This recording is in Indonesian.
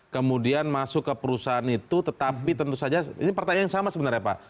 kemudian masuk ke perusahaan itu tetapi tentu saja ini pertanyaan yang sama sebenarnya pak